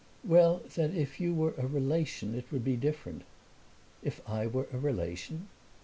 "Well, that if you were a relation it would be different." "If I were a relation?"